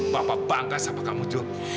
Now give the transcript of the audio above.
bapak bangga sama kamu juga